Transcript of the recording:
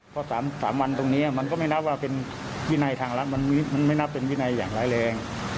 เพราะ๓วันตรงนี้มันก็ไม่นับว่าเป็นวินัยทางรัฐมันไม่นับเป็นวินัยอย่างร้ายแรง